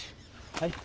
はい。